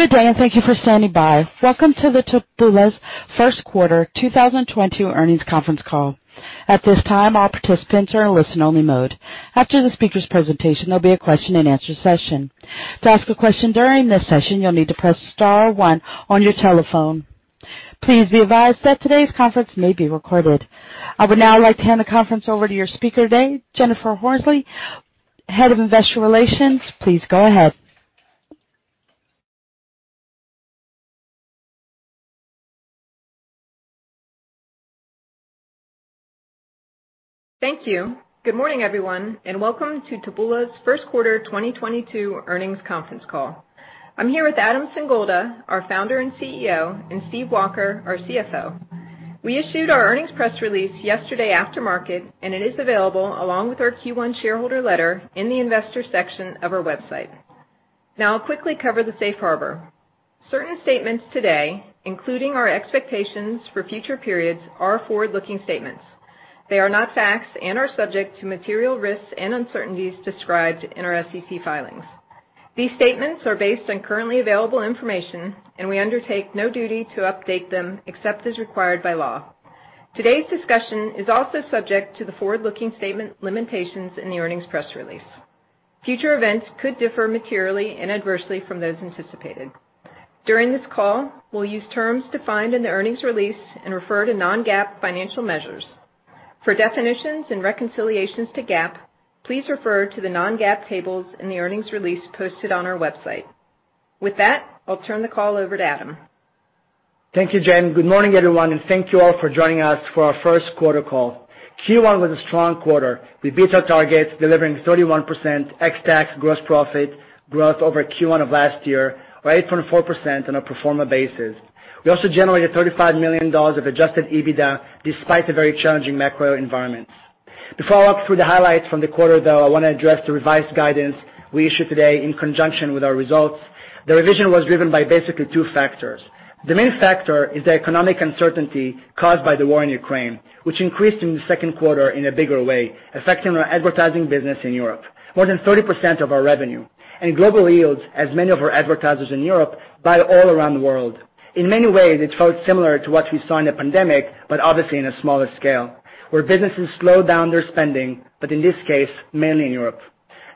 Good day, and thank you for standing by. Welcome to Taboola’s first quarter 2022 earnings conference call. At this time, all participants are in listen-only mode. After the speaker’s presentation, there’ll be a question and answer session. To ask a question during this session, you’ll need to press star one on your telephone. Please be advised that today’s conference may be recorded. I would now like to hand the conference over to your speaker today, Jennifer Horsley, Head of Investor Relations. Please go ahead. Thank you. Good morning, everyone, and welcome to Taboola's first quarter 2022 earnings conference call. I'm here with Adam Singolda, our Founder and CEO, and Stephen Walker, our CFO. We issued our earnings press release yesterday after market, and it is available along with our Q1 shareholder letter in the investor section of our website. Now, I'll quickly cover the safe harbor. Certain statements today, including our expectations for future periods, are forward-looking statements. They are not facts and are subject to material risks and uncertainties described in our SEC filings. These statements are based on currently available information, and we undertake no duty to update them except as required by law. Today's discussion is also subject to the forward-looking statement limitations in the earnings press release. Future events could differ materially and adversely from those anticipated. During this call, we'll use terms defined in the earnings release and refer to non-GAAP financial measures. For definitions and reconciliations to GAAP, please refer to the non-GAAP tables in the earnings release posted on our website. With that, I'll turn the call over to Adam. Thank you, Jen. Good morning, everyone, and thank you all for joining us for our first quarter call. Q1 was a strong quarter. We beat our targets, delivering 31% ex-TAC gross profit growth over Q1 of last year, or 8.4% on a pro forma basis. We also generated $35 million of Adjusted EBITDA despite the very challenging macro environment. Before I walk through the highlights from the quarter, though, I wanna address the revised guidance we issued today in conjunction with our results. The revision was driven by basically two factors. The main factor is the economic uncertainty caused by the war in Ukraine, which increased in the second quarter in a bigger way, affecting our advertising business in Europe. More than 30% of our revenue and global yields as many of our advertisers in Europe buy all around the world. In many ways, it felt similar to what we saw in the pandemic, but obviously on a smaller scale, where businesses slowed down their spending, but in this case, mainly in Europe.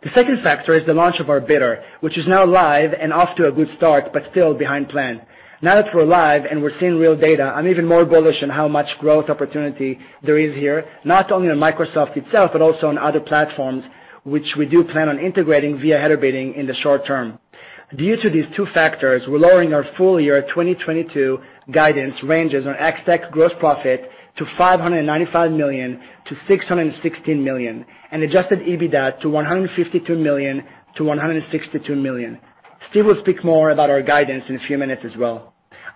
The second factor is the launch of our bidder, which is now live and off to a good start, but still behind plan. Now that we're live and we're seeing real data, I'm even more bullish on how much growth opportunity there is here, not only on Microsoft itself, but also on other platforms, which we do plan on integrating via header bidding in the short term. Due to these two factors, we're lowering our full year 2022 guidance ranges on ex-TAC gross profit to $595 million-$616 million and Adjusted EBITDA to $152 million-$162 million. Steve will speak more about our guidance in a few minutes as well.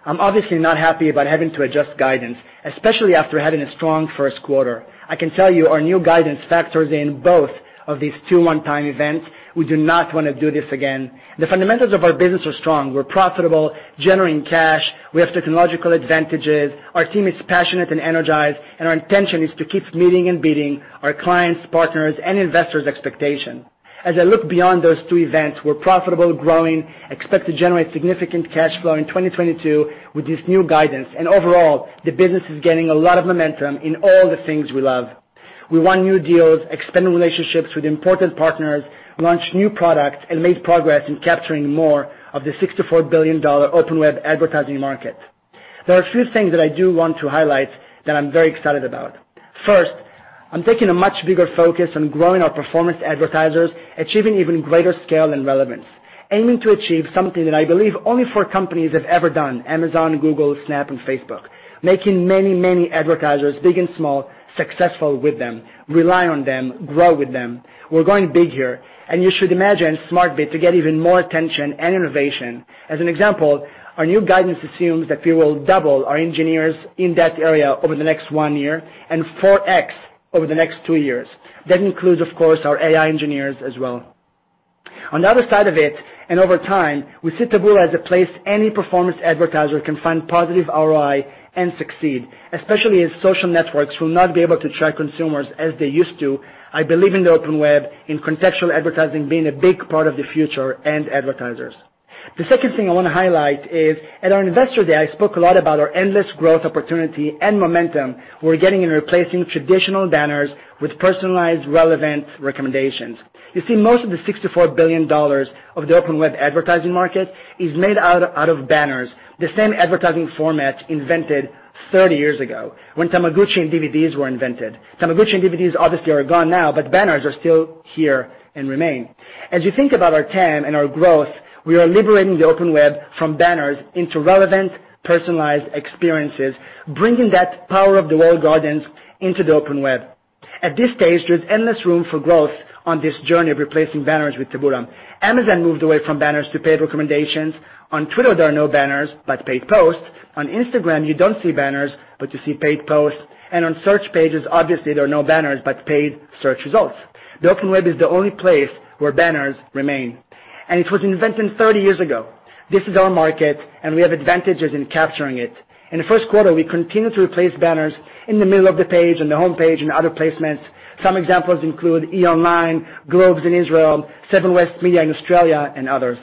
I'm obviously not happy about having to adjust guidance, especially after having a strong first quarter. I can tell you our new guidance factors in both of these two one-time events. We do not wanna do this again. The fundamentals of our business are strong. We're profitable, generating cash. We have technological advantages. Our team is passionate and energized, and our intention is to keep meeting and beating our clients, partners, and investors' expectation. As I look beyond those two events, we're profitable, growing, expect to generate significant cash flow in 2022 with this new guidance. Overall, the business is gaining a lot of momentum in all the things we love. We won new deals, expanded relationships with important partners, launched new products, and made progress in capturing more of the $64 billion open web advertising market. There are a few things that I do want to highlight that I'm very excited about. First, I'm taking a much bigger focus on growing our performance advertisers, achieving even greater scale and relevance, aiming to achieve something that I believe only four companies have ever done, Amazon, Google, Snap, and Facebook, making many, many advertisers, big and small, successful with them, rely on them, grow with them. We're going big here, and you should imagine SmartBid to get even more attention and innovation. As an example, our new guidance assumes that we will double our engineers in that area over the next one year and 4x over the next two years. That includes, of course, our AI engineers as well. On the other side of it, and over time, we see Taboola as a place any performance advertiser can find positive ROI and succeed, especially as social networks will not be able to track consumers as they used to. I believe in the open web, in contextual advertising being a big part of the future and advertisers. The second thing I wanna highlight is at our Investor Day, I spoke a lot about our endless growth opportunity and momentum we're getting in replacing traditional banners with personalized, relevant recommendations. You see, most of the $64 billion of the open web advertising market is made out of banners, the same advertising format invented 30 years ago when Tamagotchi and DVDs were invented. Tamagotchi and DVDs obviously are gone now, but banners are still here and remain. As you think about our TAM and our growth, we are liberating the open web from banners into relevant, personalized experiences, bringing that power of the walled gardens into the open web. At this stage, there's endless room for growth on this journey of replacing banners with Taboola. Amazon moved away from banners to paid recommendations. On Twitter, there are no banners, but paid posts. On Instagram, you don't see banners, but you see paid posts. On search pages, obviously, there are no banners, but paid search results. The open web is the only place where banners remain, and it was invented 30 years ago. This is our market, and we have advantages in capturing it. In the first quarter, we continued to replace banners in the middle of the page, on the homepage, and other placements. Some examples include E! Online, Globes in Israel, Seven West Media in Australia, and others.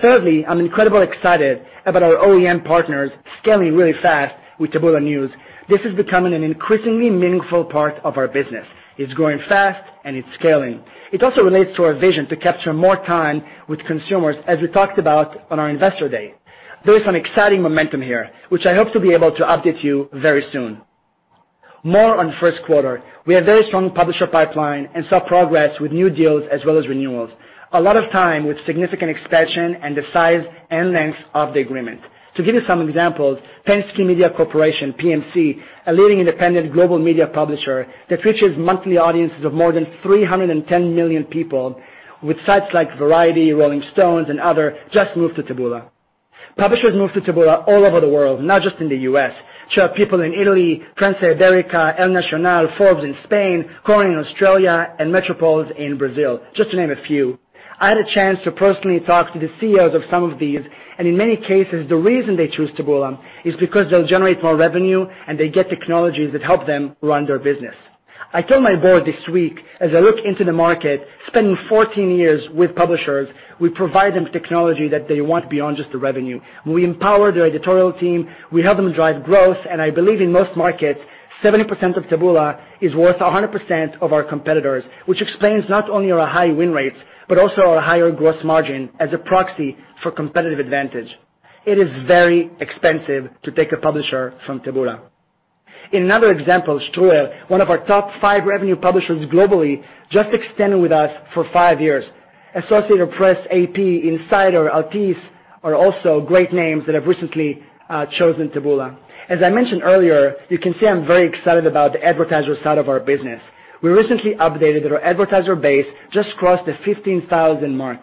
Thirdly, I'm incredibly excited about our OEM partners scaling really fast with Taboola News. This is becoming an increasingly meaningful part of our business. It's growing fast, and it's scaling. It also relates to our vision to capture more time with consumers, as we talked about on our Investor Day. There is some exciting momentum here, which I hope to be able to update you very soon. More on first quarter. We have very strong publisher pipeline and saw progress with new deals as well as renewals. A lot of time with significant expansion and the size and length of the agreement. To give you some examples, Penske Media Corporation, PMC, a leading independent global media publisher that reaches monthly audiences of more than 310 million people with sites like Variety, Rolling Stone and others, just moved to Taboola. Publishers move to Taboola all over the world, not just in the U.S. To our people in Italy, France, Ibérica, El Nacional, Forbes in Spain, Coral in Australia, and Metrópoles in Brazil, just to name a few. I had a chance to personally talk to the CEOs of some of these, and in many cases, the reason they choose Taboola is because they'll generate more revenue, and they get technologies that help them run their business. I told my board this week, as I look into the market, spending 14 years with publishers, we provide them technology that they want beyond just the revenue. We empower the editorial team, we help them drive growth, and I believe in most markets, 70% of Taboola is worth 100% of our competitors, which explains not only our high win rates, but also our higher gross margin as a proxy for competitive advantage. It is very expensive to take a publisher from Taboola. In another example, Ströer, one of our top five revenue publishers globally, just extended with us for five years. Associated Press, AP, Insider, Altice are also great names that have recently chosen Taboola. As I mentioned earlier, you can see I'm very excited about the advertiser side of our business. We recently updated that our advertiser base just crossed the 15,000 mark.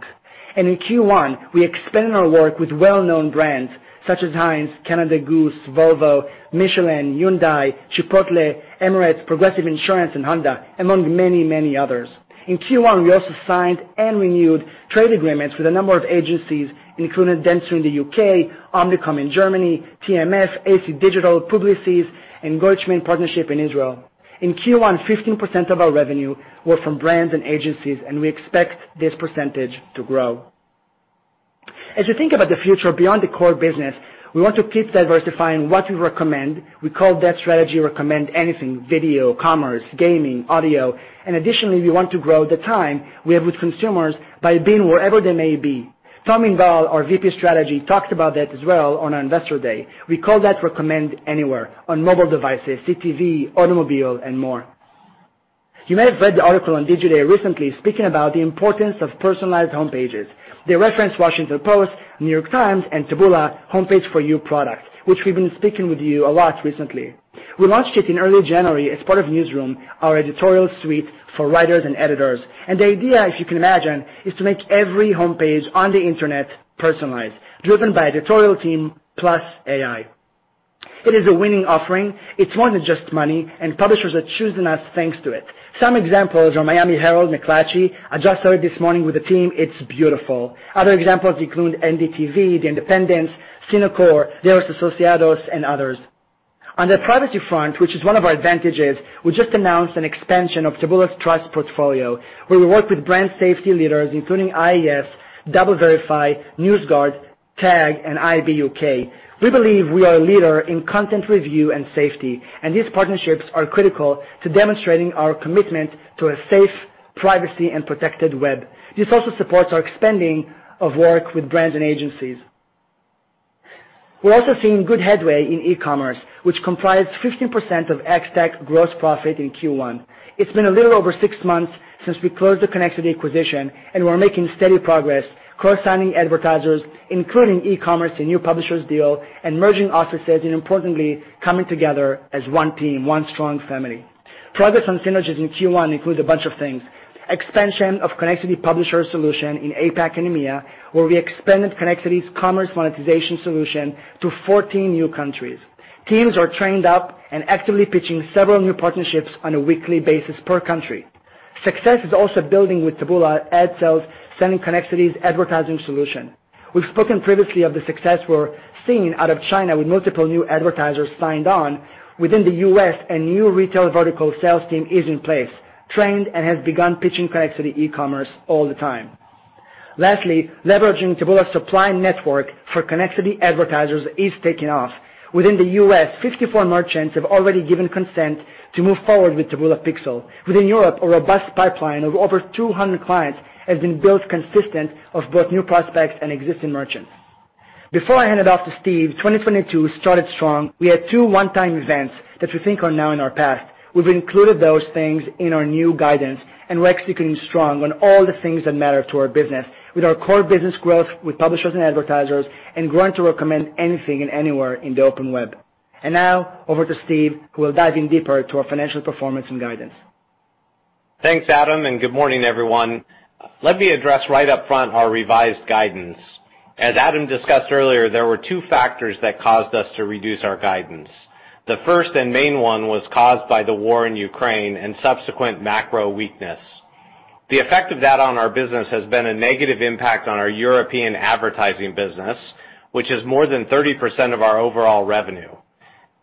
In Q1, we expanded our work with well-known brands such as Heinz, Canada Goose, Volvo, Michelin, Hyundai, Chipotle, Emirates, Progressive Insurance, and Honda, among many, many others. In Q1, we also signed and renewed trade agreements with a number of agencies, including Dentsu in the UK, Omnicom in Germany, TMS, AC Digital, Publicis, and Goldschmidt Partnership in Israel. In Q1, 15% of our revenue were from brands and agencies, and we expect this percentage to grow. As you think about the future beyond the core business, we want to keep diversifying what we recommend. We call that strategy Recommend Anything, video, commerce, gaming, audio. Additionally, we want to grow the time we have with consumers by being wherever they may be. Tom Inbal, our VP of Strategy, talked about that as well on our Investor Day. We call that Recommend Anywhere on mobile devices, CTV, automobile, and more. You may have read the article on Digiday recently speaking about the importance of personalized home pages. They referenced Washington Post, New York Times, and Taboola Homepage For You product, which we've been speaking with you a lot recently. We launched it in early January as part of Newsroom, our editorial suite for writers and editors. The idea, as you can imagine, is to make every homepage on the internet personalized, driven by editorial team plus AI. It is a winning offering. It's more than just money, and publishers are choosing us, thanks to it. Some examples are Miami Herald, McClatchy. I just spoke this morning with the team. It's beautiful. Other examples include NDTV, The Independent, SINA.com, de Rosas Asociados, and others. On the privacy front, which is one of our advantages, we just announced an expansion of Taboola's trust portfolio, where we work with brand safety leaders, including IAS, DoubleVerify, NewsGuard, TAG, and IAB UK. We believe we are a leader in content review and safety, and these partnerships are critical to demonstrating our commitment to a safe, privacy, and protected web. This also supports our expanding of work with brands and agencies. We're also seeing good headway in e-commerce, which comprise 15% of ex-TAC gross profit in Q1. It's been a little over six months since we closed the Connexity acquisition, and we're making steady progress, cross-signing advertisers, including e-commerce and new publishers deal, and merging offices, and importantly, coming together as one team, one strong family. Progress on synergies in Q1 includes a bunch of things. Expansion of Connexity publisher solution in APAC and EMEA, where we expanded Connexity's commerce monetization solution to 14 new countries. Teams are trained up and actively pitching several new partnerships on a weekly basis per country. Success is also building with Taboola ad sales, selling Connexity's advertising solution. We've spoken previously of the success we're seeing out of China with multiple new advertisers signed on. Within the US, a new retail vertical sales team is in place, trained and has begun pitching Connexity e-commerce all the time. Lastly, leveraging Taboola's supply network for Connexity advertisers is taking off. Within the U.S., 54 merchants have already given consent to move forward with Taboola Pixel. Within Europe, a robust pipeline of over 200 clients has been built consisting of both new prospects and existing merchants. Before I hand it off to Steve, 2022 started strong. We had two one-time events that we think are now in our past. We've included those things in our new guidance, and we're executing strong on all the things that matter to our business, with our core business growth with publishers and advertisers and growing to Recommend Anything and Recommend Anywhere in the open web. Now over to Steve, who will dive in deeper to our financial performance and guidance. Thanks, Adam, and good morning, everyone. Let me address right up front our revised guidance. As Adam discussed earlier, there were two factors that caused us to reduce our guidance. The first and main one was caused by the war in Ukraine and subsequent macro weakness. The effect of that on our business has been a negative impact on our European advertising business, which is more than 30% of our overall revenue.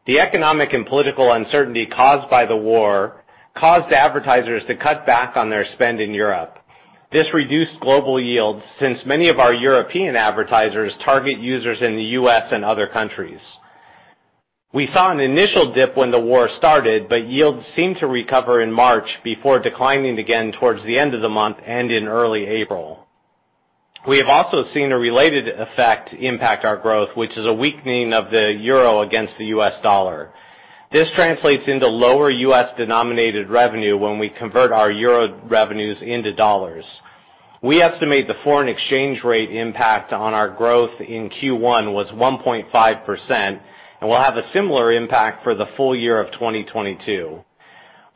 The economic and political uncertainty caused by the war caused advertisers to cut back on their spend in Europe. This reduced global yields since many of our European advertisers target users in the U.S. and other countries. We saw an initial dip when the war started, but yields seemed to recover in March before declining again towards the end of the month and in early April. We have also seen a related effect impact our growth, which is a weakening of the euro against the US dollar. This translates into lower U.S.-denominated revenue when we convert our euro revenues into dollars. We estimate the foreign exchange rate impact on our growth in Q1 was 1.5% and will have a similar impact for the full year of 2022.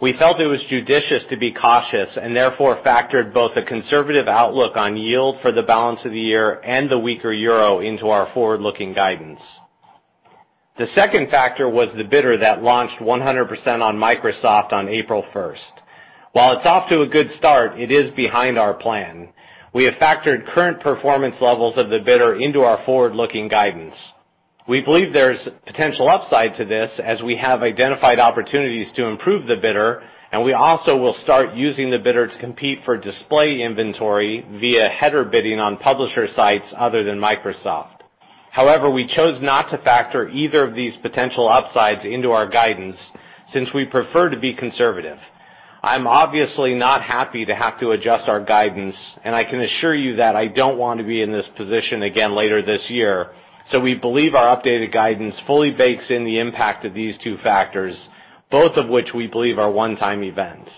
We felt it was judicious to be cautious and therefore factored both a conservative outlook on yield for the balance of the year and the weaker euro into our forward-looking guidance. The second factor was the Bidded Supply that launched 100% on Microsoft on April first. While it's off to a good start, it is behind our plan. We have factored current performance levels of the Bidded Supply into our forward-looking guidance. We believe there's potential upside to this as we have identified opportunities to improve the bidder, and we also will start using the bidder to compete for display inventory via header bidding on publisher sites other than Microsoft. However, we chose not to factor either of these potential upsides into our guidance since we prefer to be conservative. I'm obviously not happy to have to adjust our guidance, and I can assure you that I don't want to be in this position again later this year. We believe our updated guidance fully bakes in the impact of these two factors, both of which we believe are one-time events.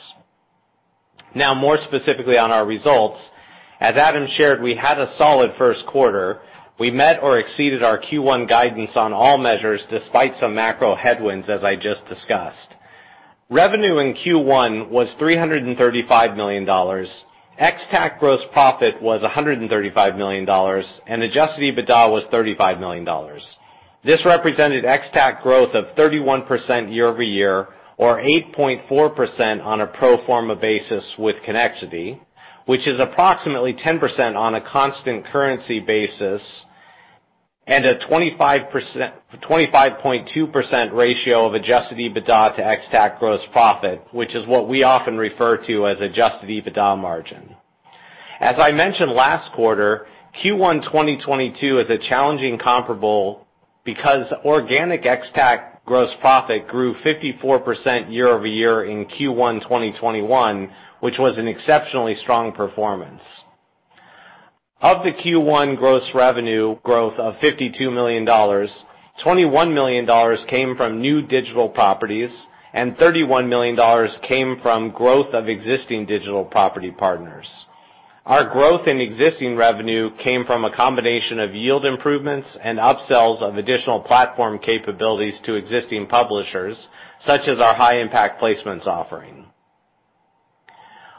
Now more specifically on our results. As Adam shared, we had a solid first quarter. We met or exceeded our Q1 guidance on all measures despite some macro headwinds, as I just discussed. Revenue in Q1 was $335 million. Ex-TAC gross profit was $135 million, and adjusted EBITDA was $35 million. This represented ex-TAC growth of 31% year-over-year, or 8.4% on a pro forma basis with Connexity, which is approximately 10% on a constant currency basis, and a 25.2% ratio of adjusted EBITDA to ex-TAC gross profit, which is what we often refer to as adjusted EBITDA margin. Q1 2022 is a challenging comparable because organic ex-TAC gross profit grew 54% year-over-year in Q1 2021, which was an exceptionally strong performance. Of the Q1 gross revenue growth of $52 million, $21 million came from new digital properties, and $31 million came from growth of existing digital property partners. Our growth in existing revenue came from a combination of yield improvements and upsells of additional platform capabilities to existing publishers, such as our high impact placements offering.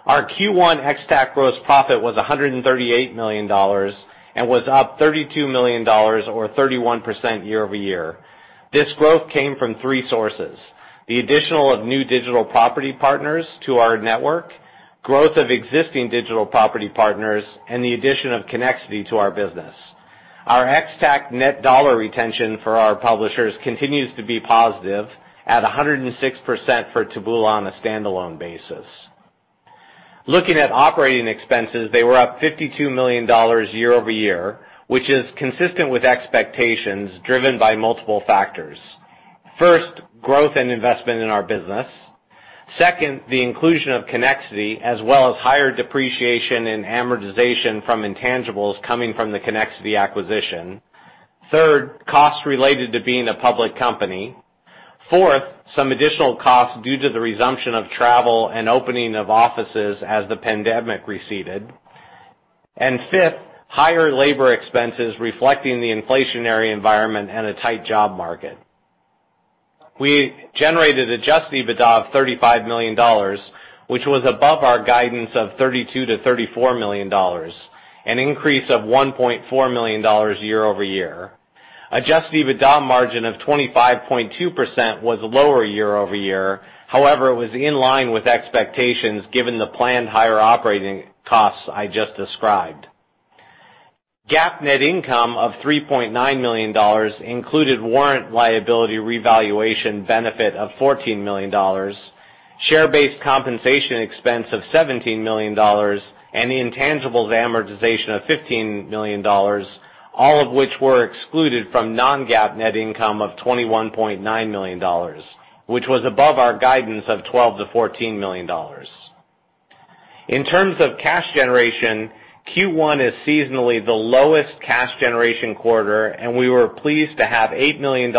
Our Q1 ex-TAC gross profit was $138 million and was up $32 million or 31% year-over-year. This growth came from three sources: the addition of new digital property partners to our network, growth of existing digital property partners, and the addition of Connexity to our business. Our ex-TAC net dollar retention for our publishers continues to be positive at 106% for Taboola on a standalone basis. Looking at operating expenses, they were up $52 million year-over-year, which is consistent with expectations driven by multiple factors. First, growth and investment in our business. Second, the inclusion of Connexity, as well as higher depreciation and amortization from intangibles coming from the Connexity acquisition. Third, costs related to being a public company. Fourth, some additional costs due to the resumption of travel and opening of offices as the pandemic receded. Fifth, higher labor expenses reflecting the inflationary environment and a tight job market. We generated Adjusted EBITDA of $35 million, which was above our guidance of $32 million-$34 million, an increase of $1.4 million year-over-year. Adjusted EBITDA margin of 25.2% was lower year-over-year. However, it was in line with expectations given the planned higher operating costs I just described. GAAP net income of $3.9 million included warrant liability revaluation benefit of $14 million, share-based compensation expense of $17 million, and the intangibles amortization of $15 million, all of which were excluded from non-GAAP net income of $21.9 million, which was above our guidance of $12 million-$14 million. In terms of cash generation, Q1 is seasonally the lowest cash generation quarter, and we were pleased to have $8 million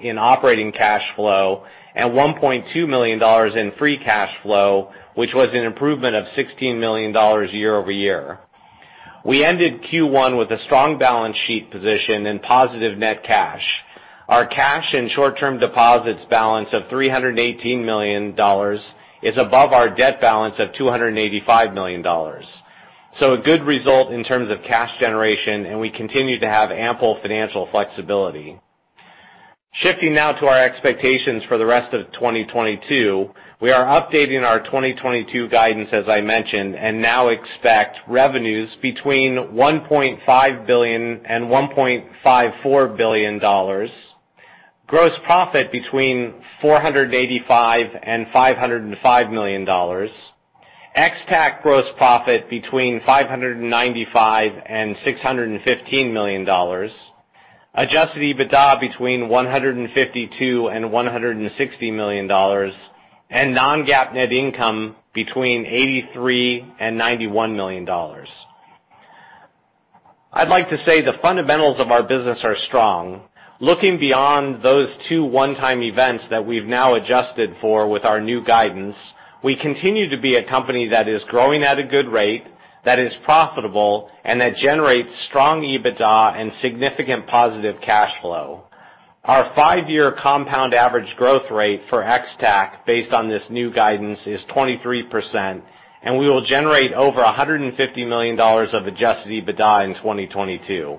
in operating cash flow and $1.2 million in free cash flow, which was an improvement of $16 million year-over-year. We ended Q1 with a strong balance sheet position and positive net cash. Our cash and short-term deposits balance of $318 million is above our debt balance of $285 million. A good result in terms of cash generation, and we continue to have ample financial flexibility. Shifting now to our expectations for the rest of 2022, we are updating our 2022 guidance, as I mentioned, and now expect revenues between $1.5 billion and $1.54 billion. Gross profit between $485 million and $505 million. Ex-TAC gross profit between $595 million and $615 million. Adjusted EBITDA between $152 million and $160 million, and non-GAAP net income between $83 million and $91 million. I'd like to say the fundamentals of our business are strong. Looking beyond those two one-time events that we've now adjusted for with our new guidance, we continue to be a company that is growing at a good rate, that is profitable, and that generates strong EBITDA and significant positive cash flow. Our five-year compound average growth rate for ex-TAC based on this new guidance is 23%, and we will generate over $150 million of adjusted EBITDA in 2022.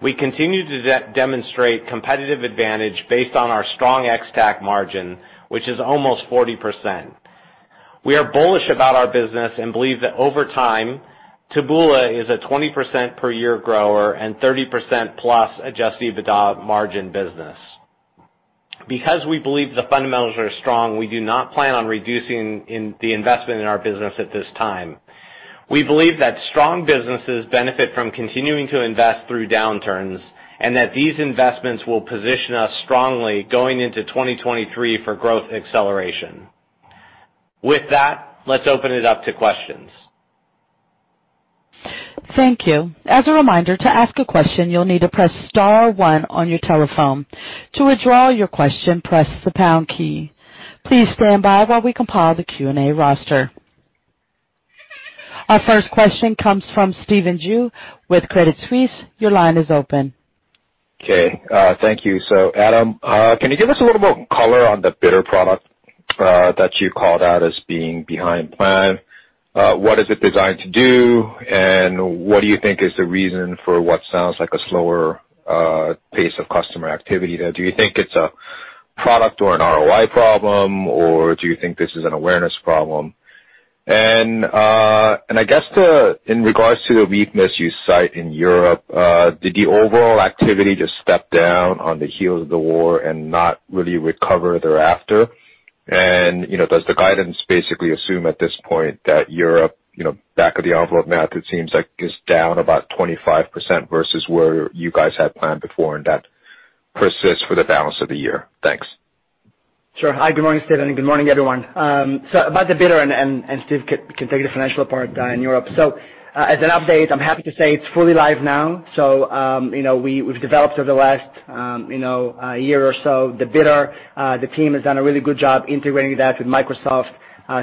We continue to demonstrate competitive advantage based on our strong ex-TAC margin, which is almost 40%. We are bullish about our business and believe that over time, Taboola is a 20% per year grower and 30% plus adjusted EBITDA margin business. Because we believe the fundamentals are strong, we do not plan on reducing the investment in our business at this time. We believe that strong businesses benefit from continuing to invest through downturns, and that these investments will position us strongly going into 2023 for growth acceleration. With that, let's open it up to questions. Thank you. As a reminder, to ask a question, you'll need to press star one on your telephone. To withdraw your question, press the pound key. Please stand by while we compile the Q&A roster. Our first question comes from Stephen Ju with Credit Suisse. Your line is open. Okay, thank you. Adam, can you give us a little more color on the Bidded Supply that you called out as being behind plan? What is it designed to do, and what do you think is the reason for what sounds like a slower pace of customer activity? Do you think it's a product or an ROI problem, or do you think this is an awareness problem? And I guess, in regards to the weakness you cite in Europe, did the overall activity just step down on the heels of the war and not really recover thereafter? You know, does the guidance basically assume at this point that Europe, you know, back of the envelope math, it seems like is down about 25% versus where you guys had planned before, and that persists for the balance of the year? Thanks. Sure. Hi, good morning, Stephen, and good morning, everyone. About the Bidded Supply and Steve can take the financial part in Europe. As an update, I'm happy to say it's fully live now. You know, we've developed over the last you know year or so the Bidded Supply. The team has done a really good job integrating that with Microsoft,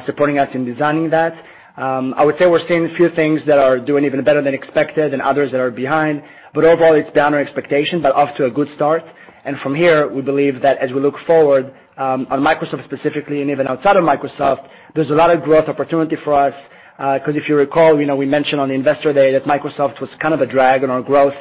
supporting us in designing that. I would say we're seeing a few things that are doing even better than expected and others that are behind. Overall, it's beyond our expectation, but off to a good start. From here, we believe that as we look forward on Microsoft specifically and even outside of Microsoft, there's a lot of growth opportunity for us. 'Cause if you recall, you know, we mentioned on the Investor Day that Microsoft was kind of a drag on our growth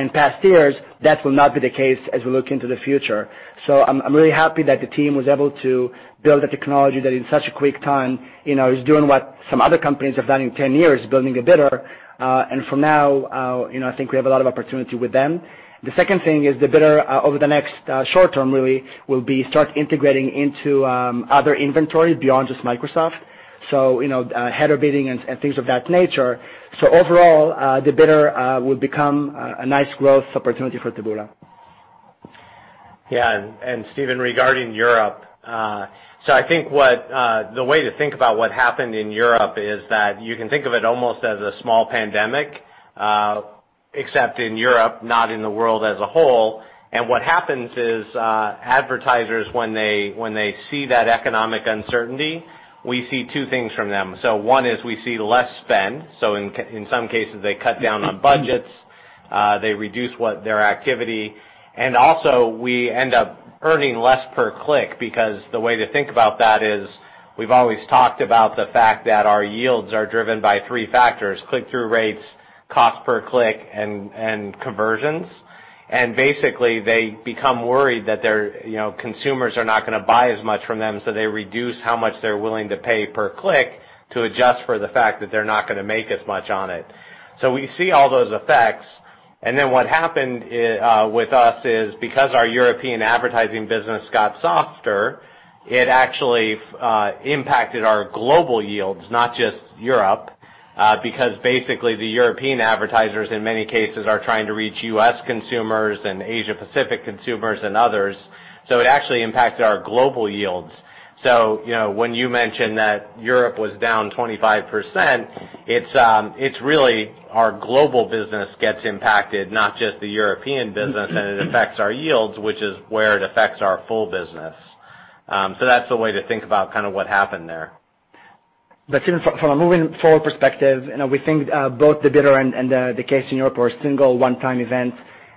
in past years. That will not be the case as we look into the future. I'm really happy that the team was able to build a technology that in such a quick time, you know, is doing what some other companies have done in 10 years, building a bidder. From now, you know, I think we have a lot of opportunity with them. The second thing is the bidder over the next short term really will start integrating into other inventories beyond just Microsoft, you know, header bidding and things of that nature. Overall, the bidder will become a nice growth opportunity for Taboola. Stephen, regarding Europe, I think what the way to think about what happened in Europe is that you can think of it almost as a small pandemic, except in Europe, not in the world as a whole. What happens is, advertisers, when they see that economic uncertainty, we see two things from them. One is we see less spend. In some cases, they cut down on budgets, they reduce what their activity. Also, we end up earning less per click because the way to think about that is we've always talked about the fact that our yields are driven by three factors. Click-through rates, cost per click, and conversions. Basically, they become worried that their, you know, consumers are not gonna buy as much from them, so they reduce how much they're willing to pay per click to adjust for the fact that they're not gonna make as much on it. We see all those effects. What happened with us is because our European advertising business got softer, it actually impacted our global yields, not just Europe, because basically the European advertisers, in many cases, are trying to reach U.S. consumers and Asia Pacific consumers and others. It actually impacted our global yields. You know, when you mentioned that Europe was down 25%, it's really our global business gets impacted, not just the European business, and it affects our yields, which is where it affects our full business. That's the way to think about kind of what happened there. Even from a moving forward perspective, you know, we think both the Bidded and the case in Europe were a single one-time event.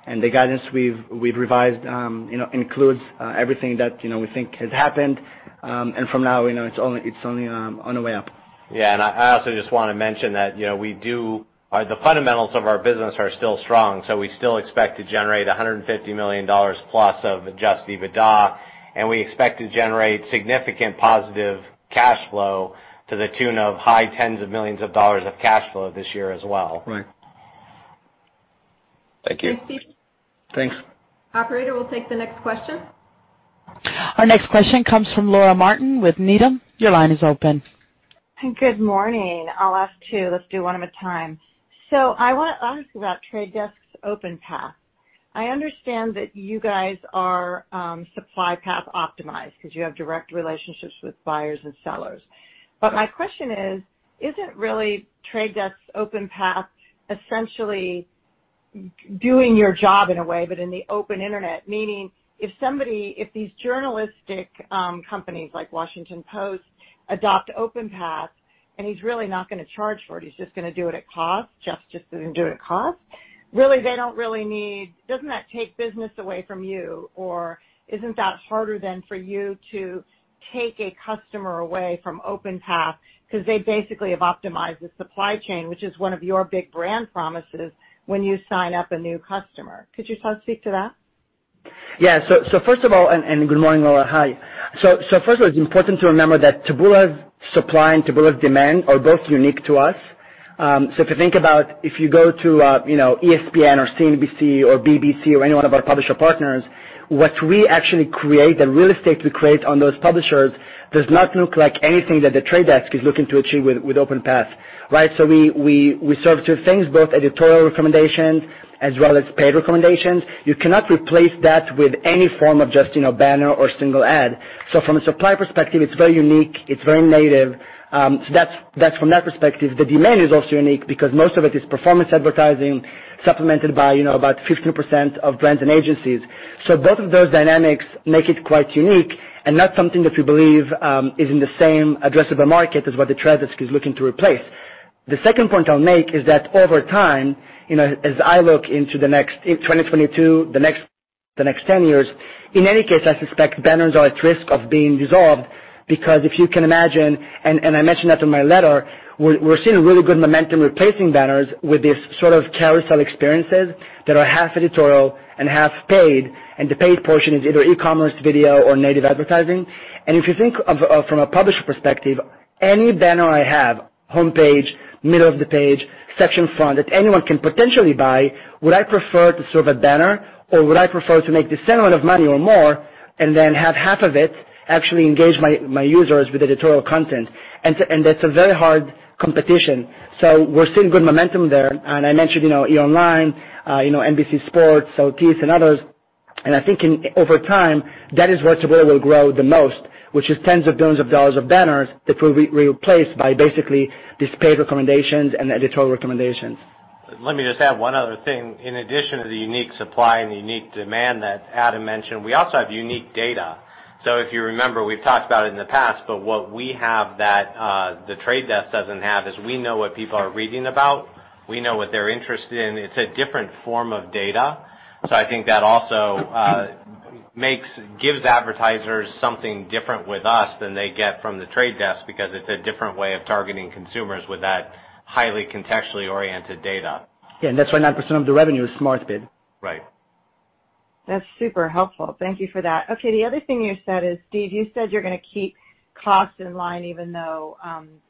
The guidance we've revised, you know, includes everything that, you know, we think has happened. From now, you know, it's only on the way up. I also just wanna mention that, you know, the fundamentals of our business are still strong, so we still expect to generate $150 million+ of Adjusted EBITDA, and we expect to generate significant positive cash flow to the tune of high tens of millions of dollars this year as well. Right. Thank you. Thanks. Operator, we'll take the next question. Our next question comes from Laura Martin with Needham. Your line is open. Good morning. I'll ask two. Let's do one at a time. I want to ask about The Trade Desk's OpenPath. I understand that you guys are supply path optimized because you have direct relationships with buyers and sellers. My question is, isn't The Trade Desk's OpenPath essentially doing your job in a way, but in the open internet? Meaning if these journalistic companies like Washington Post adopt OpenPath, and he's really not gonna charge for it, he's just gonna do it at cost. Really, they don't really need. Doesn't that take business away from you? Or isn't that harder than for you to take a customer away from OpenPath because they basically have optimized the supply chain, which is one of your big brand promises when you sign up a new customer. Could you sort of speak to that? First of all, good morning, Laura. Hi. First of all, it's important to remember that Taboola's supply and Taboola's demand are both unique to us. If you think about going to ESPN or CNBC or BBC or any one of our publisher partners, what we actually create, the real estate we create on those publishers does not look like anything that The Trade Desk is looking to achieve with OpenPath, right? We serve two things, both editorial recommendations as well as paid recommendations. You cannot replace that with any form of banner or single ad. From a supply perspective, it's very unique, it's very native. That's from that perspective. The demand is also unique because most of it is performance advertising, supplemented by, you know, about 15% of brands and agencies. Both of those dynamics make it quite unique and not something that we believe is in the same addressable market as what The Trade Desk is looking to replace. The second point I'll make is that over time, you know, as I look into the next ten years, in 2022, in any case, I suspect banners are at risk of being dissolved because if you can imagine, I mentioned that in my letter, we're seeing really good momentum replacing banners with these sort of carousel experiences that are half editorial and half paid, and the paid portion is either e-commerce, video or native advertising. If you think of from a publisher perspective, any banner I have, homepage, middle of the page, section front that anyone can potentially buy, would I prefer to serve a banner or would I prefer to make the same amount of money or more and then have half of it actually engage my users with editorial content? That's a very hard competition. We're seeing good momentum there. I mentioned, you know, E! Online, you know, NBC Sports, ET and others. I think over time, that is where Taboola will grow the most, which is tens of billions of dollars of banners that will be replaced by basically these paid recommendations and editorial recommendations. Let me just add one other thing. In addition to the unique supply and the unique demand that Adam mentioned, we also have unique data. If you remember, we've talked about it in the past, but what we have that The Trade Desk doesn't have is we know what people are reading about. We know what they're interested in. It's a different form of data. I think that also gives advertisers something different with us than they get from The Trade Desk, because it's a different way of targeting consumers with that highly contextually oriented data. Yeah, that's why 9% of the revenue is SmartBid. Right. That's super helpful. Thank you for that. Okay, the other thing you said is, Steve, you said you're gonna keep costs in line even though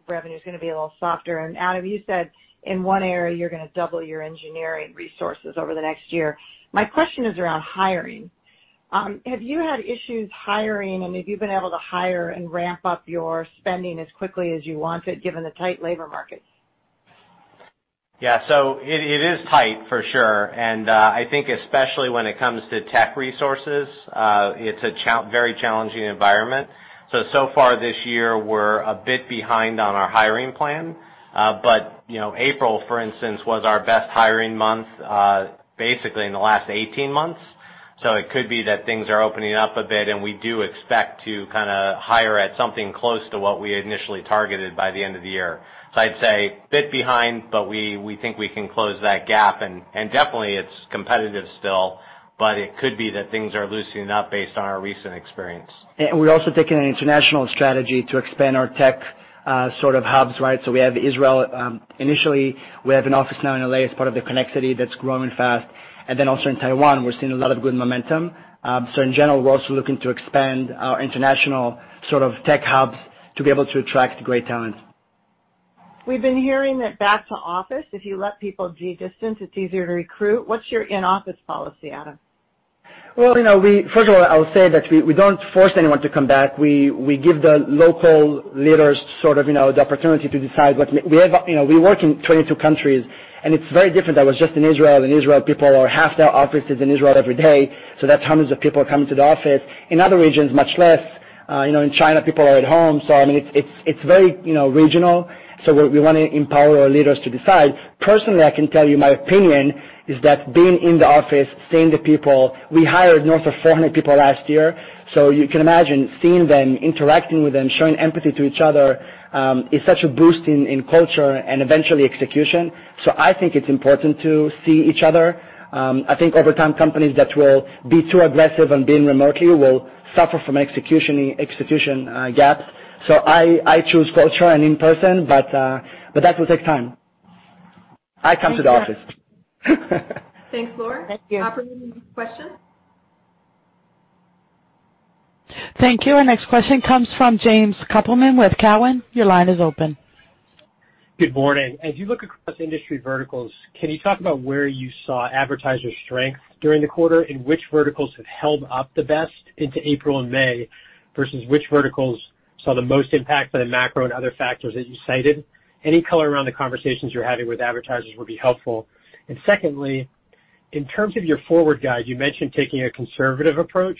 revenue is gonna be a little softer. Adam, you said in one area you're gonna double your engineering resources over the next year. My question is around hiring. Have you had issues hiring, and have you been able to hire and ramp up your spending as quickly as you wanted, given the tight labor markets? Yeah. It is tight for sure. I think especially when it comes to tech resources, it's a very challenging environment. So far this year we're a bit behind on our hiring plan. But you know, April, for instance, was our best hiring month basically in the last 18 months. It could be that things are opening up a bit, and we do expect to kinda hire at something close to what we initially targeted by the end of the year. I'd say bit behind, but we think we can close that gap. Definitely it's competitive still, but it could be that things are loosening up based on our recent experience. We're also taking an international strategy to expand our tech, sort of hubs, right? We have Israel, initially. We have an office now in L.A. as part of the Connexity that's growing fast. Then also in Taiwan, we're seeing a lot of good momentum. In general, we're also looking to expand our international sort of tech hubs to be able to attract great talent. We've been hearing that back to office, if you let people geodistance, it's easier to recruit. What's your in-office policy, Adam? Well, you know, first of all, I'll say that we don't force anyone to come back. We give the local leaders sort of, you know, the opportunity to decide. We have, you know, we work in 22 countries, and it's very different. I was just in Israel, and in Israel, people are half in the offices in Israel every day. So that's hundreds of people coming to the office. In other regions, much less. You know, in China, people are at home. So I mean, it's very, you know, regional. We wanna empower our leaders to decide. Personally, I can tell you my opinion is that being in the office, seeing the people, we hired north of 400 people last year. You can imagine seeing them, interacting with them, showing empathy to each other is such a boost in culture and eventually execution. I think it's important to see each other. I think over time, companies that will be too aggressive on being remotely will suffer from execution gaps. I choose culture and in person, but that will take time. I come to the office. Thanks, Laura. Thank you. Operator, next question. Thank you. Our next question comes from James Kopelman with Cowen. Your line is open. Good morning. As you look across industry verticals, can you talk about where you saw advertiser strength during the quarter, and which verticals have held up the best into April and May, versus which verticals saw the most impact by the macro and other factors that you cited? Any color around the conversations you're having with advertisers would be helpful. Secondly, in terms of your forward guidance, you mentioned taking a conservative approach.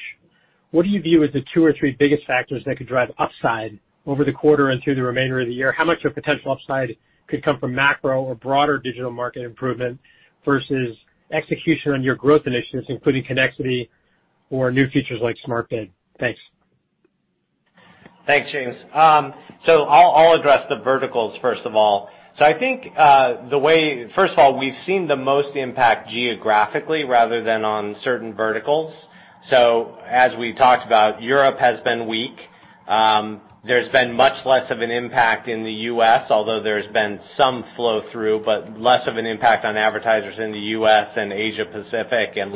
What do you view as the two or three biggest factors that could drive upside over the quarter and through the remainder of the year? How much of potential upside could come from macro or broader digital market improvement versus execution on your growth initiatives, including Connexity or new features like SmartBid? Thanks. Thanks, James. I'll address the verticals first of all. I think first of all, we've seen the most impact geographically rather than on certain verticals. As we talked about, Europe has been weak. There's been much less of an impact in the U.S., although there's been some flow through, but less of an impact on advertisers in the U.S. and Asia-Pacific and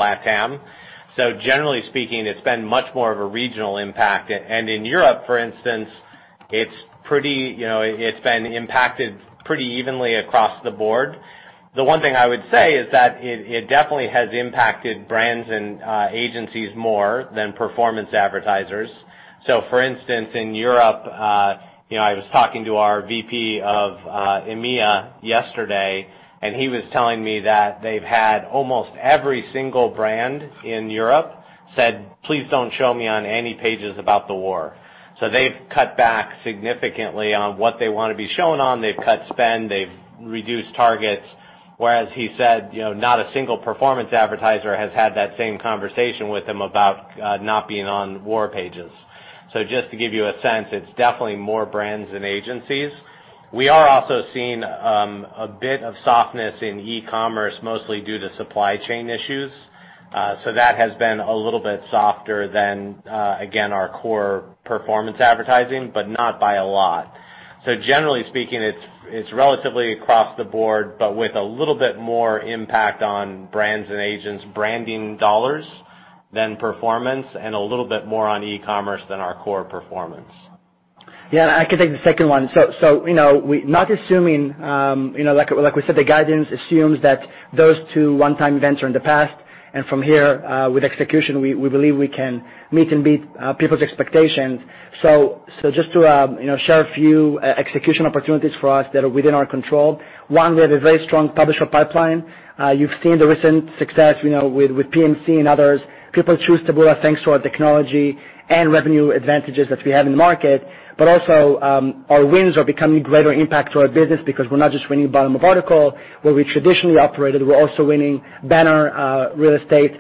LatAm. Generally speaking, it's been much more of a regional impact. In Europe, for instance, it's pretty, you know, it's been impacted pretty evenly across the board. The one thing I would say is that it definitely has impacted brands and agencies more than performance advertisers. For instance, in Europe, you know, I was talking to our VP of EMEA yesterday, and he was telling me that they've had almost every single brand in Europe said, "Please don't show me on any pages about the war." They've cut back significantly on what they wanna be shown on. They've cut spend, they've reduced targets, whereas he said, you know, not a single performance advertiser has had that same conversation with him about not being on war pages. Just to give you a sense, it's definitely more brands than agencies. We are also seeing a bit of softness in e-commerce, mostly due to supply chain issues. That has been a little bit softer than again, our core performance advertising, but not by a lot. Generally speaking, it's relatively across the board, but with a little bit more impact on brands and agents branding dollars than performance, and a little bit more on e-commerce than our core performance. Yeah, I can take the second one. You know, not assuming, you know, like we said, the guidance assumes that those two one-time events are in the past, and from here, with execution, we believe we can meet and beat people's expectations. Just to, you know, share a few execution opportunities for us that are within our control. One, we have a very strong publisher pipeline. You've seen the recent success, you know, with PMC and others. People choose Taboola thanks to our technology and revenue advantages that we have in the market. Also, our wins are becoming greater impact to our business because we're not just winning bottom of article where we traditionally operated. We're also winning banner real estate,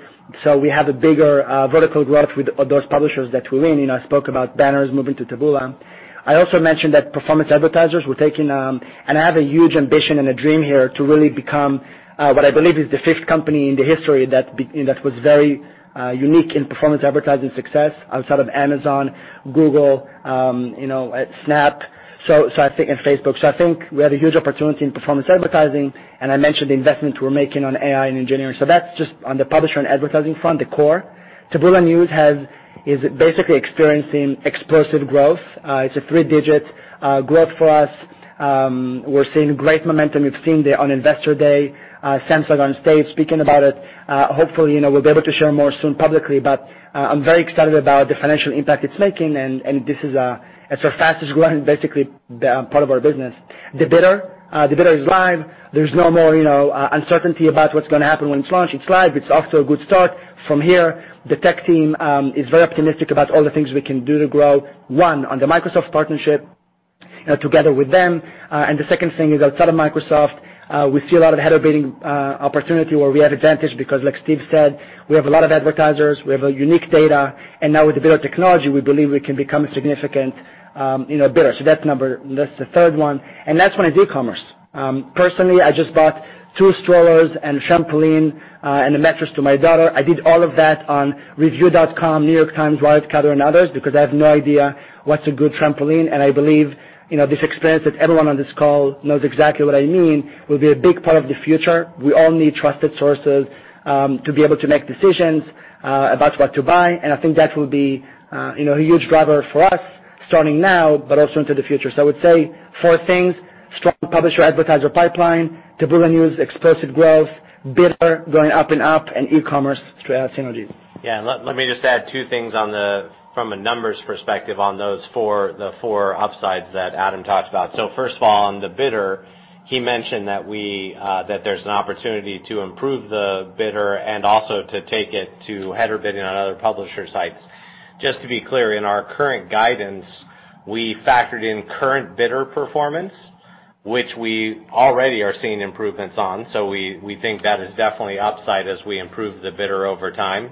so we have a bigger vertical growth with those publishers that we win. You know, I spoke about banners moving to Taboola. I also mentioned that performance advertisers were taking. I have a huge ambition and a dream here to really become what I believe is the fifth company in the history that was very unique in performance advertising success outside of Amazon, Google, you know, Snap, so I think and Facebook. I think we have a huge opportunity in performance advertising, and I mentioned the investments we're making on AI and engineering. That's just on the publisher and advertising front, the core. Taboola News is basically experiencing explosive growth. It's a three-digit growth for us. We're seeing great momentum. You've seen on Investor Day, Samsung on stage speaking about it. Hopefully, you know, we'll be able to share more soon publicly, but I'm very excited about the financial impact it's making and this is, it's our fastest growing, basically, part of our business. The bidder is live. There's no more, you know, uncertainty about what's gonna happen when it's launched. It's live. It's off to a good start. From here, the tech team is very optimistic about all the things we can do to grow, one, on the Microsoft partnership, you know, together with them. The second thing is, outside of Microsoft, we see a lot of header bidding opportunity where we have advantage because like Steve said, we have a lot of advertisers, we have a unique data, and now with the bidder technology, we believe we can become a significant, you know, bidder. So that's the third one. Last one is e-commerce. Personally, I just bought two strollers and a trampoline, and a mattress to my daughter. I did all of that on Reviewed.com, New York Times, Wirecutter, and others because I have no idea what's a good trampoline. I believe, you know, this experience that everyone on this call knows exactly what I mean, will be a big part of the future. We all need trusted sources, to be able to make decisions, about what to buy, and I think that will be, you know, a huge driver for us starting now but also into the future. I would say four things, strong publisher advertiser pipeline, Taboola News explosive growth, bidder going up and up, and e-commerce to add synergies. Yeah. Let me just add two things from a numbers perspective on those four upsides that Adam talked about. First of all, on the bidder, he mentioned that there's an opportunity to improve the bidder and also to take it to header bidding on other publisher sites. Just to be clear, in our current guidance, we factored in current bidder performance, which we already are seeing improvements on. We think that is definitely upside as we improve the bidder over time.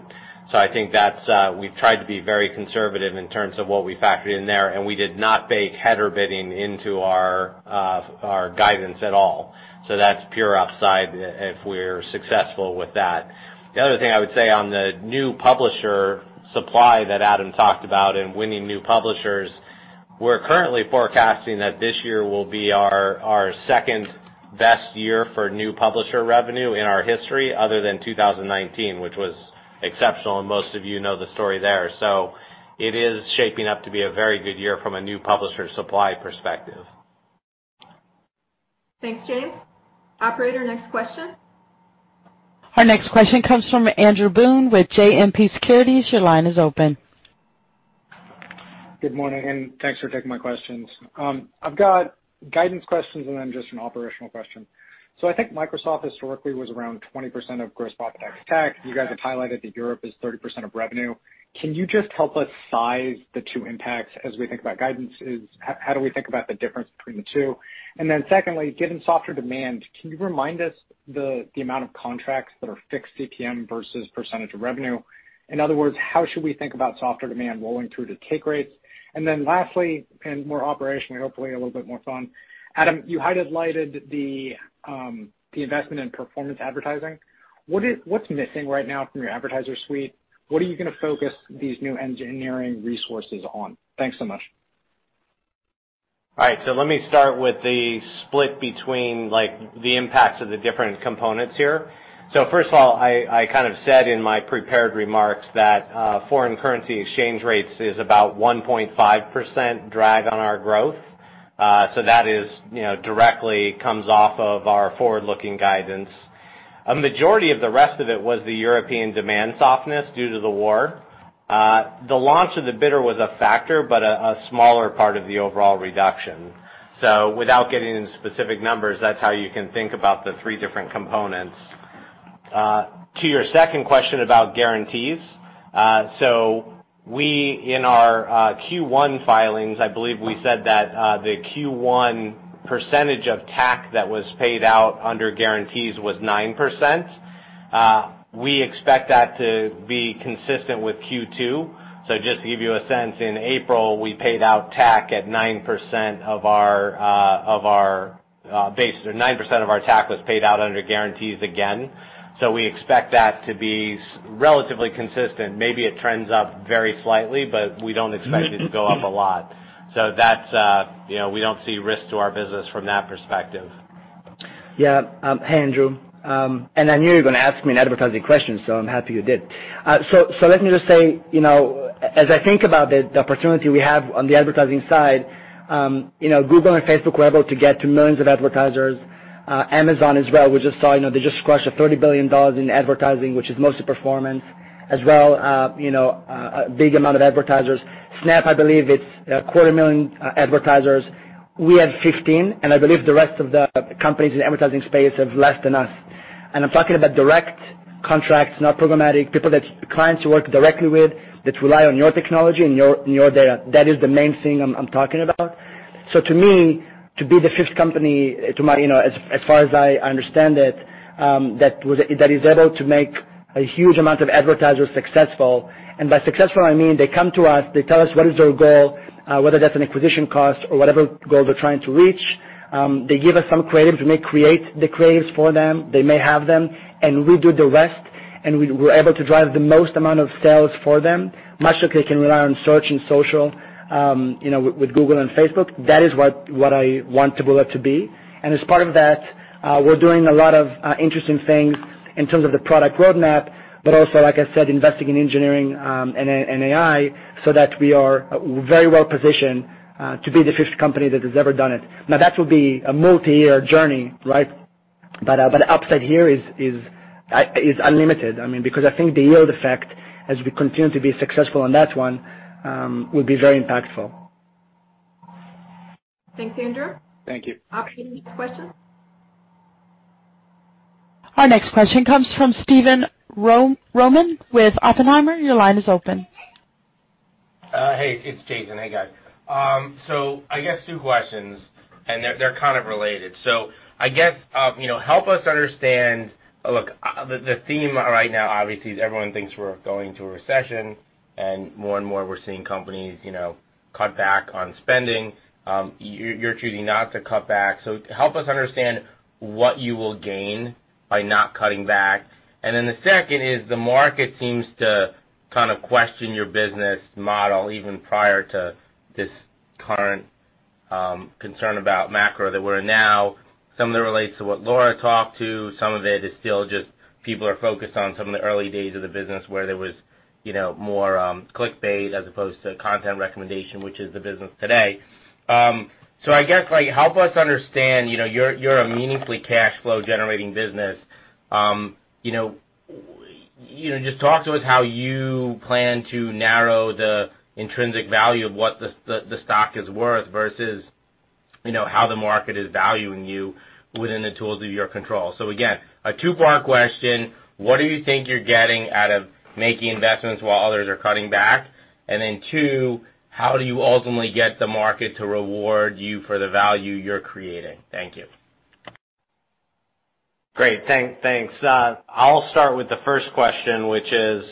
I think that's. We've tried to be very conservative in terms of what we factored in there, and we did not bake header bidding into our guidance at all. That's pure upside if we're successful with that. The other thing I would say on the new publisher supply that Adam talked about and winning new publishers. We're currently forecasting that this year will be our second-best year for new publisher revenue in our history other than 2019, which was exceptional, and most of you know the story there. It is shaping up to be a very good year from a new publisher supply perspective. Thanks, James. Operator, next question. Our next question comes from Andrew Boone with JMP Securities. Your line is open. Good morning, and thanks for taking my questions. I've got guidance questions and then just an operational question. I think Microsoft historically was around 20% of gross profit TAC. You guys have highlighted that Europe is 30% of revenue. Can you just help us size the two impacts as we think about guidance? How do we think about the difference between the two? Secondly, given softer demand, can you remind us the amount of contracts that are fixed CPM versus percentage of revenue? In other words, how should we think about softer demand rolling through to take rates? Lastly, and more operationally, hopefully a little bit more fun. Adam, you highlighted the investment in performance advertising. What's missing right now from your advertiser suite? What are you gonna focus these new engineering resources on? Thanks so much. All right. Let me start with the split between, like, the impacts of the different components here. First of all, I kind of said in my prepared remarks that foreign currency exchange rates is about 1.5% drag on our growth. That is, you know, directly comes off of our forward-looking guidance. A majority of the rest of it was the European demand softness due to the war. The launch of the Bidded Supply was a factor, but a smaller part of the overall reduction. Without getting into specific numbers, that's how you can think about the three different components. To your second question about guarantees. We, in our Q1 filings, I believe we said that the Q1 percentage of TAC that was paid out under guarantees was 9%. We expect that to be consistent with Q2. Just to give you a sense, in April, we paid out TAC at 9% of our base. 9% of our TAC was paid out under guarantees again. We expect that to be relatively consistent. Maybe it trends up very slightly, but we don't expect it to go up a lot. That's, you know, we don't see risk to our business from that perspective. Yeah. Hey, Andrew. I knew you were gonna ask me an advertising question, so I'm happy you did. So let me just say, you know, as I think about the opportunity we have on the advertising side, you know, Google and Facebook were able to get to millions of advertisers. Amazon as well. We just saw, you know, they just crushed $30 billion in advertising, which is mostly performance as well, you know, a big amount of advertisers. Snap, I believe it's 250,000 advertisers. We have 15, and I believe the rest of the companies in advertising space have less than us. I'm talking about direct contracts, not programmatic, people, clients you work directly with that rely on your technology and your data. That is the main thing I'm talking about. To me, to be the fifth company, you know, as far as I understand it, that is able to make a huge amount of advertisers successful, and by successful, I mean, they come to us, they tell us what is their goal, whether that's an acquisition cost or whatever goal they're trying to reach. They give us some creatives. We may create the creatives for them. They may have them, and we do the rest, and we're able to drive the most amount of sales for them, much like they can rely on search and social, you know, with Google and Facebook. That is what I want Taboola to be. As part of that, we're doing a lot of interesting things in terms of the product roadmap, but also, like I said, investing in engineering and AI so that we are very well positioned to be the fifth company that has ever done it. Now, that will be a multi-year journey, right? But upside here is unlimited. I mean, because I think the yield effect, as we continue to be successful on that one, will be very impactful. Thanks, Andrew. Thank you. Operator, next question. Our next question comes from Jason Helfstein with Oppenheimer. Your line is open. Hey, it's Jason. Hey, guys. I guess two questions, and they're kind of related. I guess you know, help us understand. Look, the theme right now, obviously, is everyone thinks we're going to a recession, and more and more, we're seeing companies, you know, cut back on spending. You're choosing not to cut back. Help us understand what you will gain by not cutting back. Then the second is, the market seems to kind of question your business model, even prior to this current concern about macro that we're in now. Some of it relates to what Laura talked about. Some of it is still just people are focused on some of the early days of the business where there was, you know, more clickbait as opposed to content recommendation, which is the business today. I guess, like, help us understand, you know, you're a meaningfully cash flow generating business. You know, just talk to us how you plan to narrow the intrinsic value of what the stock is worth versus, you know, how the market is valuing you within the tools of your control. Again, a two-part question. What do you think you're getting out of making investments while others are cutting back? Then two, how do you ultimately get the market to reward you for the value you're creating? Thank you. Great. Thanks. I'll start with the first question, which is,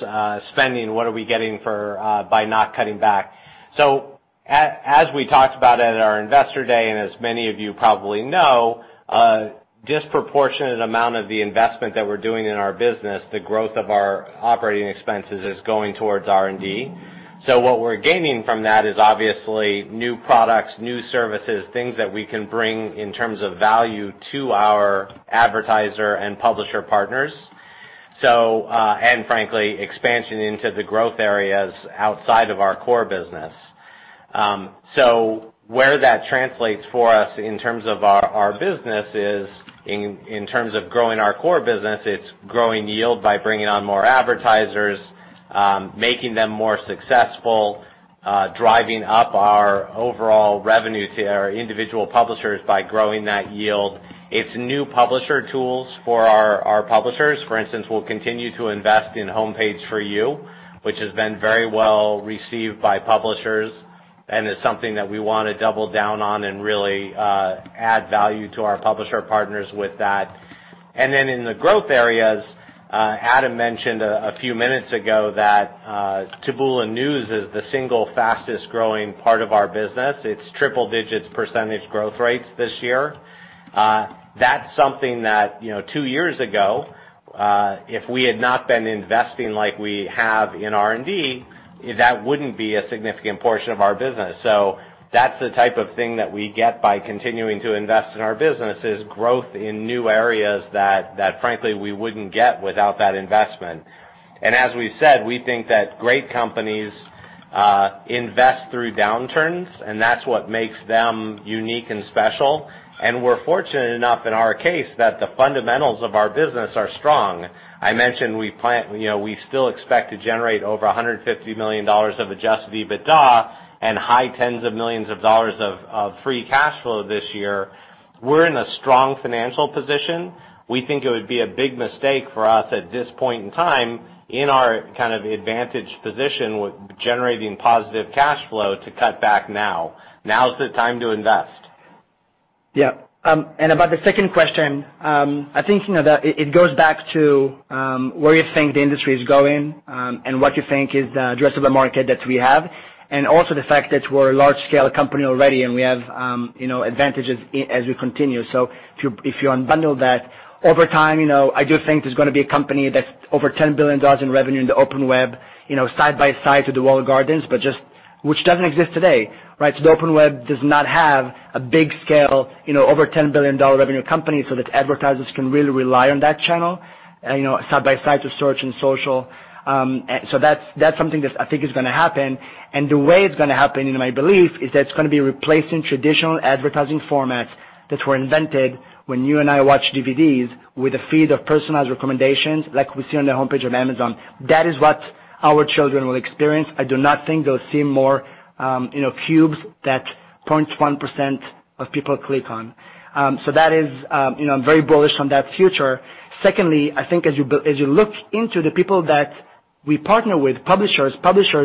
spending, what are we getting for, by not cutting back. As we talked about at our Investor Day, and as many of you probably know, Disproportionate amount of the investment that we're doing in our business, the growth of our operating expenses is going towards R&D. What we're gaining from that is obviously new products, new services, things that we can bring in terms of value to our advertiser and publisher partners. Frankly, expansion into the growth areas outside of our core business. Where that translates for us in terms of our business is in terms of growing our core business, it's growing yield by bringing on more advertisers, making them more successful, driving up our overall revenue to our individual publishers by growing that yield. It's new publisher tools for our publishers. For instance, we'll continue to invest in Homepage For You, which has been very well-received by publishers, and is something that we wanna double down on and really add value to our publisher partners with that. In the growth areas, Adam mentioned a few minutes ago that Taboola News is the single fastest-growing part of our business. It's triple-digit percentage growth rates this year. That's something that, you know, two years ago, if we had not been investing like we have in R&D, that wouldn't be a significant portion of our business. That's the type of thing that we get by continuing to invest in our business, is growth in new areas that frankly we wouldn't get without that investment. As we said, we think that great companies invest through downturns, and that's what makes them unique and special. We're fortunate enough in our case that the fundamentals of our business are strong. I mentioned we plan, you know, we still expect to generate over $150 million of Adjusted EBITDA and high tens of millions of dollars of free cash flow this year. We're in a strong financial position. We think it would be a big mistake for us at this point in time in our kind of advantaged position with generating positive cash flow to cut back now. Now's the time to invest. Yeah. About the second question, I think, you know, that it goes back to, where you think the industry is going, and what you think is the addressable market that we have, and also the fact that we're a large-scale company already and we have, you know, advantages as we continue. If you, if you unbundle that, over time, you know, I do think there's gonna be a company that's over $10 billion in revenue in the open web, you know, side by side to the walled gardens, but just which doesn't exist today, right. The open web does not have a big scale, you know, over $10 billion revenue company so that advertisers can really rely on that channel, you know, side by side to search and social. That's something that I think is gonna happen. The way it's gonna happen, in my belief, is that it's gonna be replacing traditional advertising formats that were invented when you and I watched DVDs with a feed of personalized recommendations like we see on the homepage of Amazon. That is what our children will experience. I do not think they'll see more, you know, cubes that 0.1% of people click on. That is, you know, I'm very bullish on that future. Secondly, I think as you look into the people that we partner with, publishers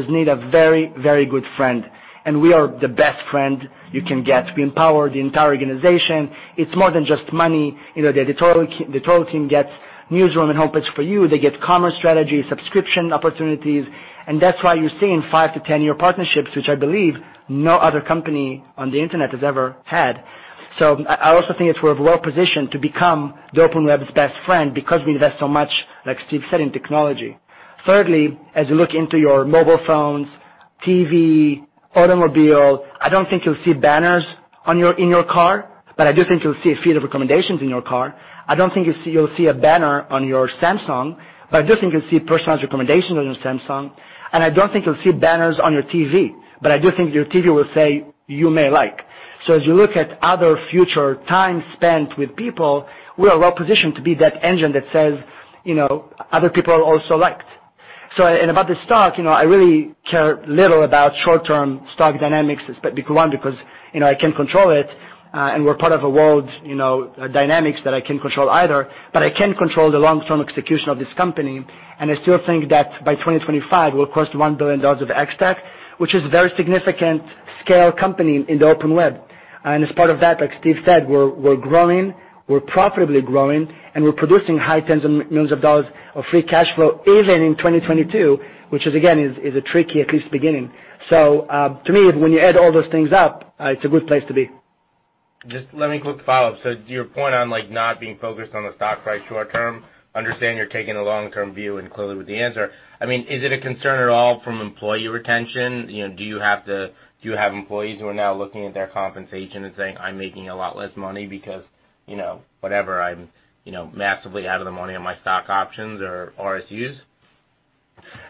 need a very, very good friend, and we are the best friend you can get. We empower the entire organization. It's more than just money. You know, the editorial team gets Newsroom and Homepage For You. They get commerce strategy, subscription opportunities, and that's why you're seeing 5-10-year partnerships, which I believe no other company on the internet has ever had. I also think that we're well-positioned to become the open web's best friend because we invest so much, like Steve said, in technology. Thirdly, as you look into your mobile phones, TV, automobile, I don't think you'll see banners in your car, but I do think you'll see a feed of recommendations in your car. I don't think you'll see a banner on your Samsung, but I do think you'll see personalized recommendations on your Samsung. I don't think you'll see banners on your TV, but I do think your TV will say, "You may like." As you look at other future time spent with people, we are well-positioned to be that engine that says, you know, other people also liked. About the stock, you know, I really care little about short-term stock dynamics, but we could wonder 'cause, you know, I can't control it, and we're part of a world, you know, dynamics that I can't control either. I can control the long-term execution of this company, and I still think that by 2025, we'll post $1 billion of ex-TAC, which is a very significant scale company in the open web. As part of that, like Steve said, we're growing, we're profitably growing, and we're producing high tens of millions of free cash flow even in 2022, which is again a tricky at least beginning. To me, when you add all those things up, it's a good place to be. Just let me quick follow-up. To your point on, like, not being focused on the stock price short term, understand you're taking a long-term view and clearly with the answer. I mean, is it a concern at all from employee retention? You know, do you have employees who are now looking at their compensation and saying, "I'm making a lot less money because, you know, whatever. I'm, you know, massively out of the money on my stock options or RSUs?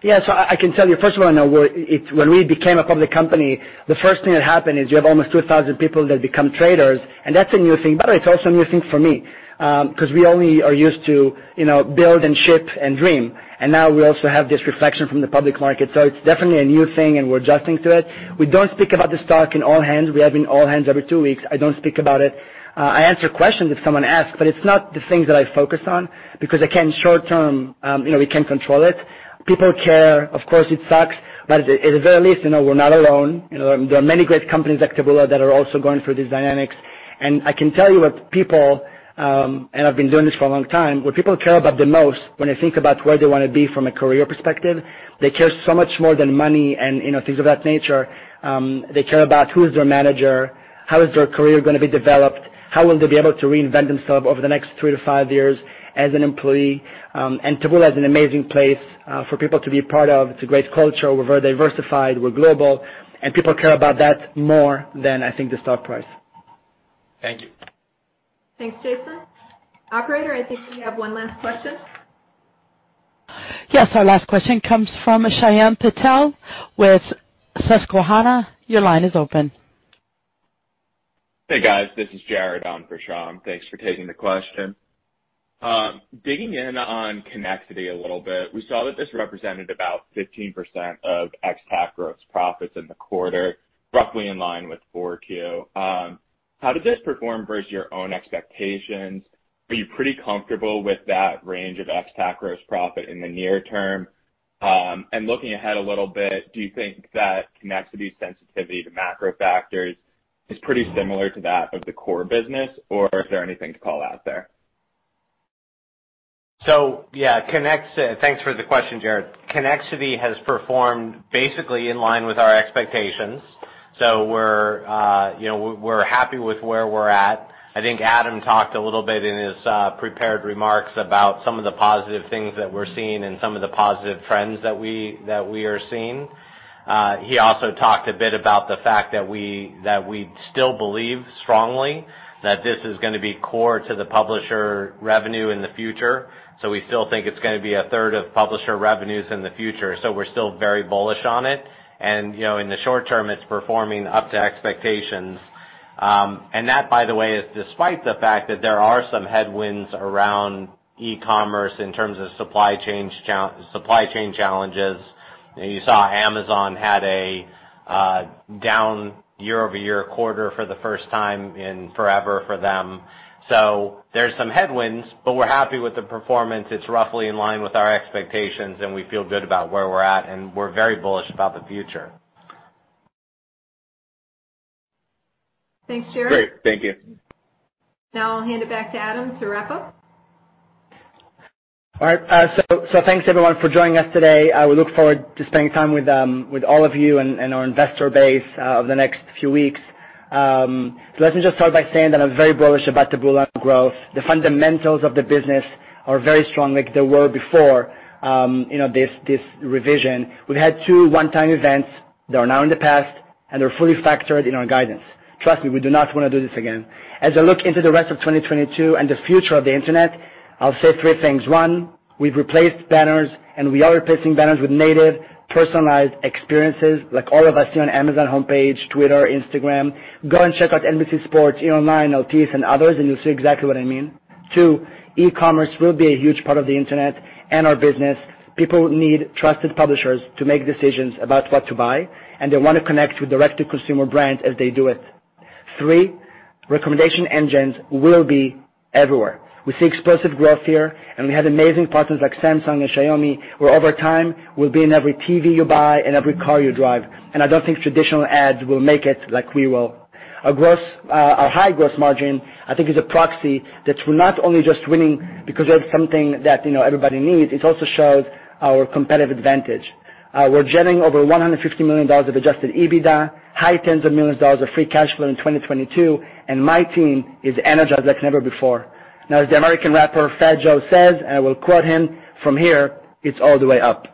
I can tell you, first of all, I know when we became a public company, the first thing that happened is you have almost 2,000 people that become traders, and that's a new thing. It's also a new thing for me, 'cause we only are used to, you know, build and ship and dream, and now we also have this reflection from the public market. It's definitely a new thing, and we're adjusting to it. We don't speak about the stock in all hands. We have an all hands every two weeks. I don't speak about it. I answer questions if someone asks, but it's not the things that I focus on because again, short term, you know, we can't control it. People care. Of course, it sucks, but at the very least, you know, we're not alone. You know, there are many great companies like Taboola that are also going through these dynamics. I can tell you what people and I've been doing this for a long time, what people care about the most when they think about where they wanna be from a career perspective, they care so much more than money and, you know, things of that nature. They care about who is their manager, how is their career gonna be developed, how will they be able to reinvent themselves over the next three to five years as an employee. Taboola is an amazing place for people to be a part of. It's a great culture. We're very diversified, we're global, and people care about that more than, I think, the stock price. Thank you. Thanks, Jason. Operator, I think we have one last question. Yes. Our last question comes from Shyam Patil with Susquehanna. Your line is open. Hey, guys. This is Jared on for Shyam. Thanks for taking the question. Digging in on Connexity a little bit, we saw that this represented about 15% of ex-TAC gross profit in the quarter, roughly in line with 4Q. How did this perform versus your own expectations? Are you pretty comfortable with that range of ex-TAC gross profit in the near term? Looking ahead a little bit, do you think that Connexity sensitivity to macro factors is pretty similar to that of the core business, or is there anything to call out there? Thanks for the question, Jared. Connexity has performed basically in line with our expectations. We're happy with where we're at. I think Adam talked a little bit in his prepared remarks about some of the positive things that we're seeing and some of the positive trends that we are seeing. He also talked a bit about the fact that we still believe strongly that this is gonna be core to the publisher revenue in the future. We still think it's gonna be a third of publisher revenues in the future. We're still very bullish on it. You know, in the short term, it's performing up to expectations. That, by the way, is despite the fact that there are some headwinds around e-commerce in terms of supply chain challenges. You saw Amazon had a down year-over-year quarter for the first time in forever for them. There's some headwinds, but we're happy with the performance. It's roughly in line with our expectations, and we feel good about where we're at, and we're very bullish about the future. Thanks, Jared. Great. Thank you. Now I'll hand it back to Adam to wrap up. All right. Thanks, everyone, for joining us today. We look forward to spending time with all of you and our investor base over the next few weeks. Let me just start by saying that I'm very bullish about Taboola growth. The fundamentals of the business are very strong like they were before, you know, this revision. We've had two one-time events that are now in the past, and they're fully factored in our guidance. Trust me, we do not wanna do this again. As I look into the rest of 2022 and the future of the Internet, I'll say three things. One, we've replaced banners, and we are replacing banners with native, personalized experiences like all of us see on Amazon homepage, Twitter, Instagram. Go and check out NBC Sports, E! Online, LT, and others, and you'll see exactly what I mean. Two, e-commerce will be a huge part of the internet and our business. People need trusted publishers to make decisions about what to buy, and they wanna connect with direct-to-consumer brands as they do it. Three, recommendation engines will be everywhere. We see explosive growth here, and we have amazing partners like Samsung and Xiaomi, where over time we'll be in every TV you buy and every car you drive. I don't think traditional ads will make it like we will. Our high gross margin, I think, is a proxy that we're not only just winning because we have something that, you know, everybody needs, it also shows our competitive advantage. We're generating over $150 million of Adjusted EBITDA, high tens of millions dollars of free cash flow in 2022, and my team is energized like never before. Now, as the American rapper Fat Joe says, and I will quote him, "From here, it's all the way up.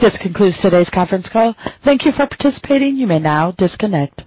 This concludes today's conference call. Thank you for participating. You may now disconnect.